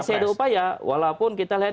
masih ada upaya walaupun kita lihat